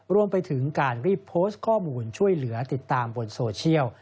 รวมไปถึงการรีบโพสต์ข้อมูลช่วยเหลือติดตามบนโซเชียล